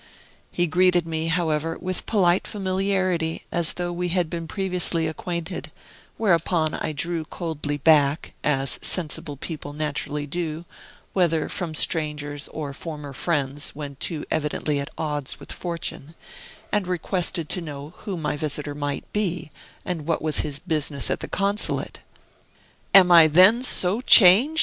He greeted me, however, with polite familiarity, as though we had been previously acquainted; whereupon I drew coldly back (as sensible people naturally do, whether from strangers or former friends, when too evidently at odds with fortune) and requested to know who my visitor might be, and what was his business at the Consulate. "Am I then so changed?"